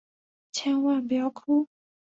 千万不要哭！